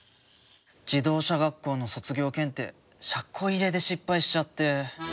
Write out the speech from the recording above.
自動車学校の卒業検定車庫入れで失敗しちゃって。